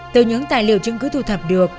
từ những tài liệu chứng cứ thu thập được